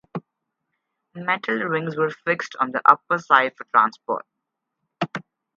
Metal rings were fixed on the upper side for transport.